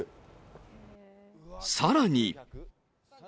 さらに。